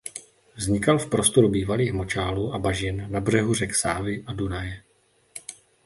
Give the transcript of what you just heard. Vznikal v prostoru bývalých močálů a bažin na břehu řek Sávy a Dunaje.